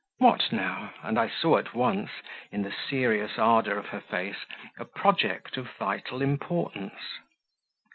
"What now?" and I saw at once, in the serious ardour of her face, a project of vital importance.